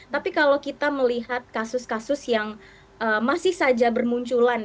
tapi kalau kita melihat kasus kasus yang masih saja bermunculan